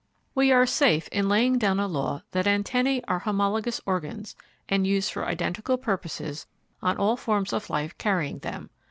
We are safe in laying down a law that antennae are homologous organs and used for identical purposes on all forms of life carrying them.